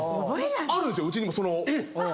あるんですようちにもその。